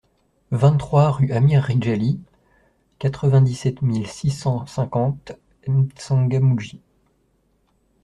vingt-trois rUE AMIR RIDJALI, quatre-vingt-dix-sept mille six cent cinquante M'Tsangamouji